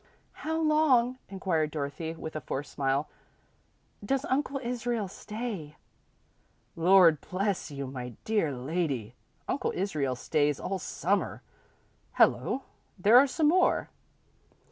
"How long," inquired Dorothy, with a forced smile, "does Uncle Israel stay?" "Lord bless you, my dear lady, Uncle Israel stays all Summer. Hello there are some more!"